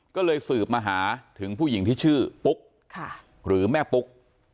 ก็เลยสืบมาหาถึงผู้หญิงที่ชื่อปุ๊กหรือแม่ปุ๊ก